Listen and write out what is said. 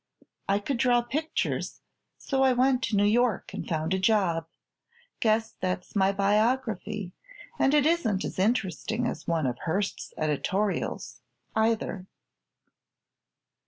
I could draw pictures, so I went to New York and found a job. Guess that's my biography, and it isn't as interesting as one of Hearst's editorials, either."